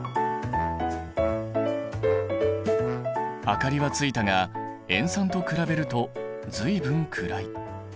明かりはついたが塩酸と比べると随分暗い。